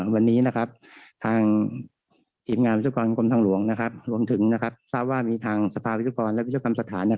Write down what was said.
วันนี้ทางทีมงานวิชากรกรมทางหลวงรวมถึงทราบว่ามีทางสภาวิชากรและวิชกรรมสถาน